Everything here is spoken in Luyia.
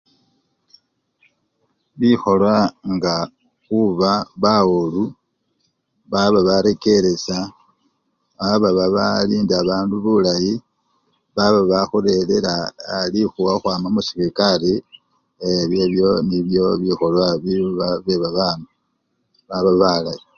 Bikholwa nga khuba bawolu, baba babarekeresya, baba babalinda babandu bulayi, baba babakhurerera aa! likhuwa khukhwama muserekari ee ebyebyo nibyo bikho! bikholwa byebabami baba balayi.